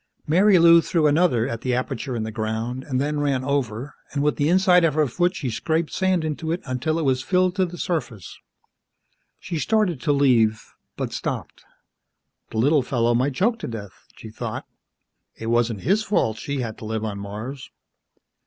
Marilou threw another at the aperture in the ground and then ran over and with the inside of her foot she scraped sand into it until it was filled to the surface. She started to leave, but stopped. The little fellow might choke to death, she thought, it wasn't his fault she had to live on Mars.